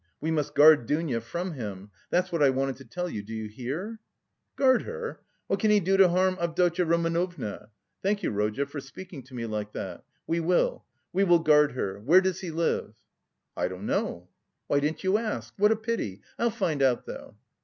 We must guard Dounia from him... that's what I wanted to tell you, do you hear?" "Guard her! What can he do to harm Avdotya Romanovna? Thank you, Rodya, for speaking to me like that.... We will, we will guard her. Where does he live?" "I don't know." "Why didn't you ask? What a pity! I'll find out, though."